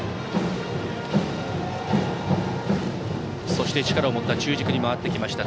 そして、力を持った中軸に回ってきました。